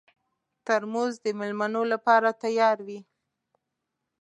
ترموز د مېلمنو لپاره تیار وي.